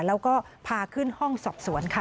แล้วก็พาขึ้นห้องสอบสวนค่ะ